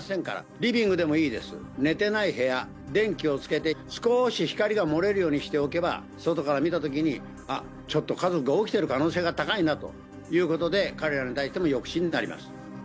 リビングでもいいです、寝てない部屋、電気をつけて、少し光が漏れるようにしておけば、外から見たときに、あっ、ちょっと家族が起きてる可能性が高いなということで、彼らに対しての抑止になります。